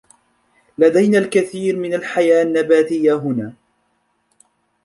لدينا الكثير من الحياة النّباتيّة هنا.